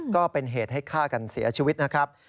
ก็เป็นเหตุให้ฆ่ากันเสียชีวิตนะครับ